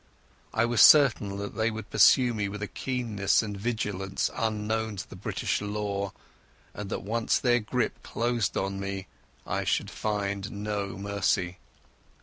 I was certain that they would pursue me with a keenness and vigilance unknown to the British law, and that once their grip closed on me I should find no mercy.